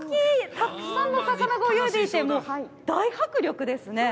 たくさんの魚が泳いでいて大迫力ですね。